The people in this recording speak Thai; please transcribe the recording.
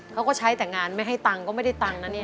เขาก็ใช้แต่งานไม่ให้ตังค์ก็ไม่ได้ตังค์นะเนี่ย